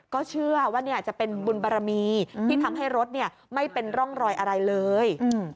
ก็เชื่อว่าจะเป็นบุญบารมีที่ทำให้รถไม่เป็นร่องรอยอะไรเลย